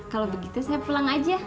kalau begitu saya pulang aja